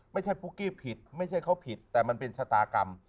ปุ๊กกี้ผิดไม่ใช่เขาผิดแต่มันเป็นชะตากรรม